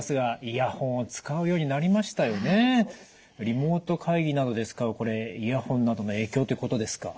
リモート会議などで使うこれイヤホンなどの影響っていうことですか。